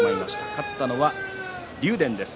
勝ったのは竜電です。